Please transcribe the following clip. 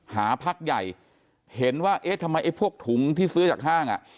หาพักใหญ่เห็นว่าเอ๊ะทำไมไอ้พวกถุงที่ซื้อจากห้างอ่ะ